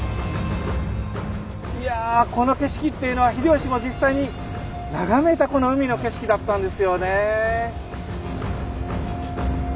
いやこの景色っていうのは秀吉も実際に眺めたこの海の景色だったんですよねえ。